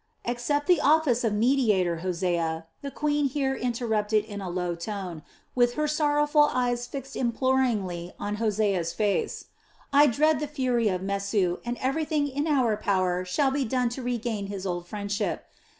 "Accept the office of mediator, Hosea," the queen here interrupted in a low tone, with her sorrowful eyes fixed imploringly on Hosea's face. "I dread the fury of Mesu, and everything in our power shall be done to regain his old friendship.